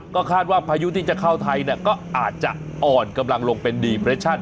ก็คาดว่าพายุที่จะเข้าไทยก็อาจจะอ่อนกำลังลงเป็นดีเปรชั่น